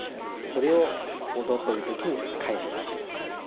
それを「ここぞ」という時に返したわけですね。